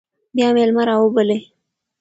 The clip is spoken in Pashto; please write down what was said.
بیا میلمه راوبلئ.